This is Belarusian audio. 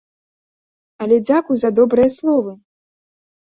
Але дзякуй за добрыя словы!